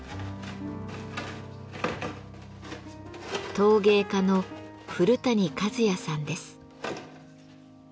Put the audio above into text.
陶芸家の古谷和也さんです。